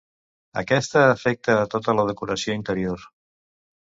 Aquesta afecta a tota la decoració interior.